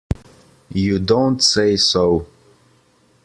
You don't say so!